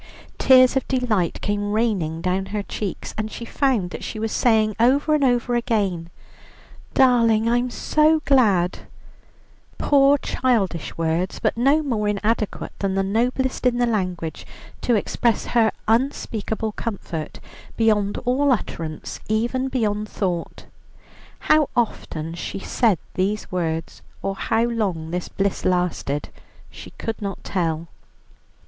Tears of delight came raining down her cheeks, and she found that she was saying over and over again, "Darling, I am so glad"; poor childish words, but no more inadequate than the noblest in the language to express her unspeakable comfort, beyond all utterance, even beyond thought. How often she said these words, or how long this bliss lasted she could not tell.